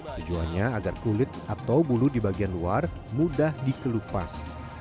tujuannya agar kulit atau bulu di bagian luar mudah dikelupas